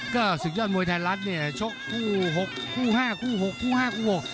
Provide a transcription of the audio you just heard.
ก็ศึกยอดมวยไทยรัฐเนี่ยชกคู่หกคู่ห้าคู่ห้าคู่ห้าคู่ห้า